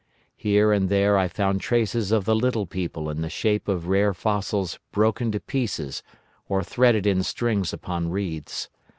Here and there I found traces of the little people in the shape of rare fossils broken to pieces or threaded in strings upon reeds.